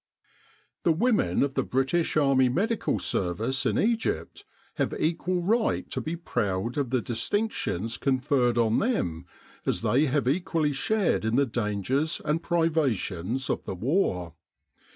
The women of the British Army Medical Service in Egypt have equal right to be proud of the distinc 3Q4 ; 'In Arduis Fidelis" tions conferred on them, as they have equally shared in the dangers and privations of the War.